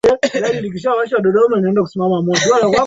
Khan Mswahili anayeishi mjini Istanbul huko Uturuki kwa